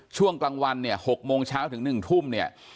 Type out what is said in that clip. ช่วงกลางวันเนี่ย๖โมงเช้าถึง๑ทุ่มเนี่ย